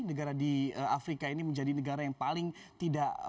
negara di afrika ini menjadi negara yang paling tidak